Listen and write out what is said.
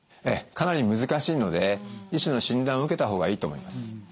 ええかなり難しいので医師の診断を受けた方がいいと思います。